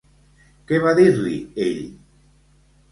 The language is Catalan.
Què va dir-li ell?